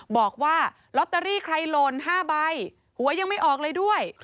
บอกว่าลอตเตอรี่ใครหล่น๕ใบหัวยังไม่ออกเลยด้วย